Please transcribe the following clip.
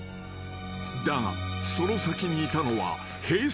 ［だがその先にいたのはＨｅｙ！